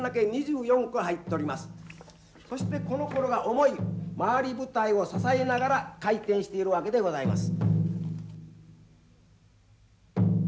そしてこのコロが重い回り舞台を支えながら回転しているわけでございます。